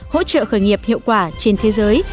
hỗ trợ khởi nghiệp hiệu quả trên thế giới